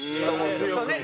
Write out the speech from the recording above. そうね。